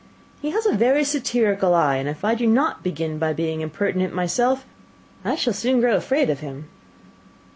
He has a very satirical eye, and if I do not begin by being impertinent myself, I shall soon grow afraid of him."